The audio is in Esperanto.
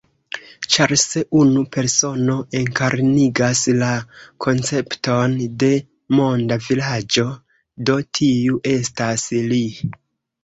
Ĉar se unu persono enkarnigas la koncepton de Monda Vilaĝo, do tiu estas li.